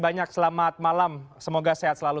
banyak selamat malam semoga sehat selalu